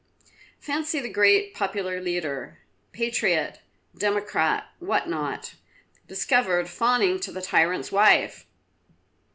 "Fancy the great popular leader. Patriot, Democrat, what not, discovered fawning to the tyrant's wife!